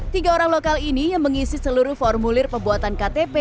tiga orang lokal ini yang mengisi seluruh formulir pembuatan ktp